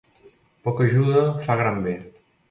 Poca ajuda fa gran bé.